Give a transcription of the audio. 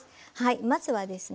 まずはですね